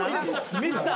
ミスター